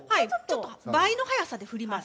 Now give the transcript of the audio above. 倍の速さで振ります。